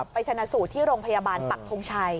ชนะสูตรที่โรงพยาบาลปักทงชัย